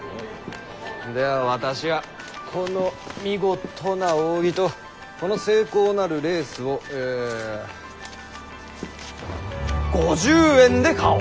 では私はこの見事な扇とこの精巧なるレースをえ５０円で買おう。